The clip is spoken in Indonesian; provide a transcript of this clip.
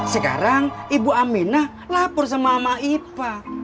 sekarang ibu aminah lapor sama emak ipa